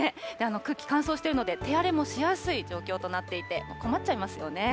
空気乾燥しているので、手荒れもしやすい状況となっていて、困っちゃいますよね。